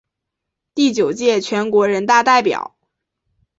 第九届全国人大代表。